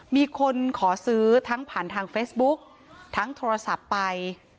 มีคนขอซื้อทั้งผ่านทางเฟซบุ๊กทั้งโทรศัพท์ไป